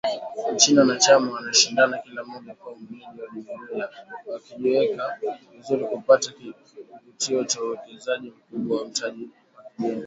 Nchi wanachama wanashindana kila mmoja kuwa mwenyeji wa Jumuiya, wakijiweka vizuri kupata kivutio cha uwekezaji mkubwa wa mtaji wa kigeni.